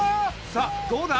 さあどうだ？